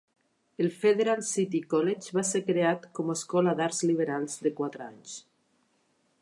El Federal City College va ser creat com a escola d'arts liberals de quatre anys.